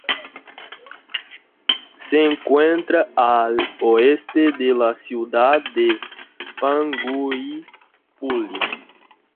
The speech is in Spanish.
Se encuentra al oeste de la ciudad de Panguipulli.